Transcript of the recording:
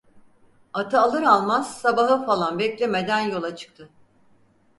Atı alır almaz sabahı falan beklemeden yola çıktı…